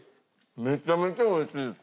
めちゃめちゃ美味しいです。